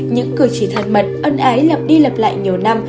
những cười chỉ thân mật ân ái lập đi lập lại nhiều năm